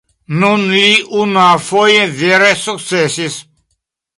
Nun li unuafoje vere sukcesis.